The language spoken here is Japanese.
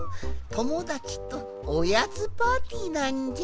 ともだちとおやつパーティーなんじゃ。